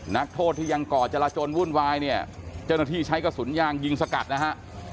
นักโทษที่ยังก่อจรจนวุ่นวายเนี่ยเจ้าหน้าที่ใช้กระสุนยางยิงสกัดนะฮะ